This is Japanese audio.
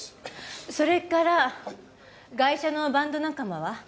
それからガイシャのバンド仲間は？